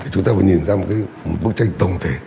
chúng ta phải nhìn ra một cái bức tranh tổng thể